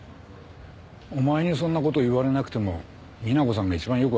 お前にそんな事言われなくても美奈子さんが一番よくわかってるよ。